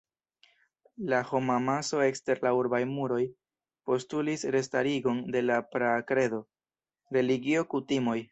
La homamaso ekster la urbaj muroj postulis restarigon de la praa kredo, religio, kutimoj.